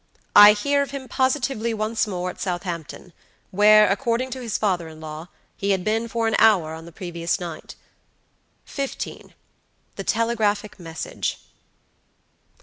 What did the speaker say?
I hear of him positively once more at Southampton, where, according to his father in law, he had been for an hour on the previous night." "15. The telegraphic message."